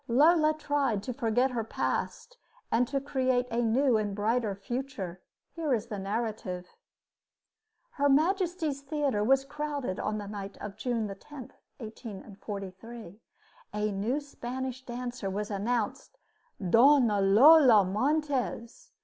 Lola tried to forget her past and to create a new and brighter future. Here is the narrative: Her Majesty's Theater was crowded on the night of June 10,1843. A new Spanish dancer was announced "Dona Lola Montez."